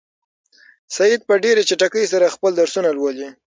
سعید په ډېرې چټکۍ سره خپل درسونه لولي.